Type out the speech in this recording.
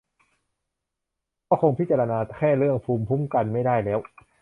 ก็คงพิจารณาแค่เรื่องภูมิคุ้มกันไม่ได้แล้ว